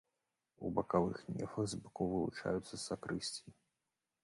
У бакавых нефах з бакоў вылучаюцца сакрысціі.